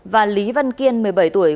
và lý văn kiên một mươi bảy tuổi